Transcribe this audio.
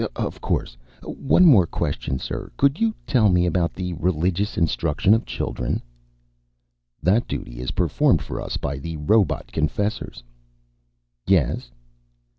"Of course. One more question, sir. Could you tell me about the religious instruction of children?" "That duty is performed for us by the robot confessors." "Yes?"